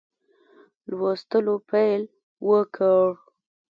لوستلو پیل وکړ.